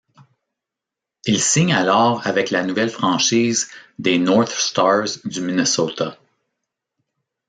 Il signe alors avec la nouvelle franchise des North Stars du Minnesota.